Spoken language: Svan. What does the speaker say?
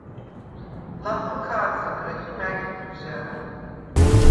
ლახორ ქა̄დზჷგრეხ ი მა̈გ იფხჟა̄̈ლ.